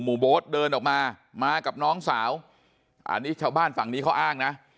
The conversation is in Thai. โบ๊ทเดินออกมามากับน้องสาวอันนี้ชาวบ้านฝั่งนี้เขาอ้างนะ